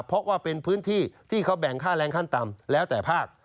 เพราะว่าเป็นพื้นที่ที่เขาแบ่งค่าแรงขั้นต่ำแล้วแต่ภาค